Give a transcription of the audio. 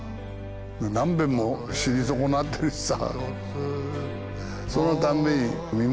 何遍も死に損なってるしさ。